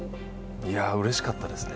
いやうれしかったですね。